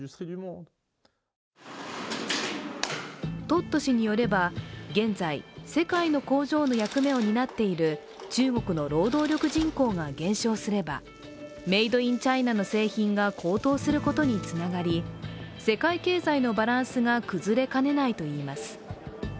トッド氏によれば、現在、世界の工場の役目を担っている中国の労働力人口が減少すれば、メイド・イン・チャイナの製品が高騰することにつながり世界経済のバランスが崩れかねないといいます